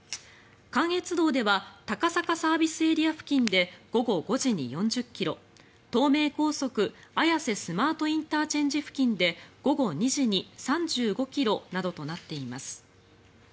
関越道では高坂ＳＡ付近で午後５時に４０ｋｍ東名高速綾瀬スマートＩＣ付近で午後２時に３５ｋｍなどとなっています。